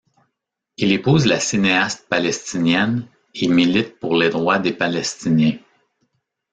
Il épouse la cinéaste palestinienne et milite pour les droits des Palestiniens.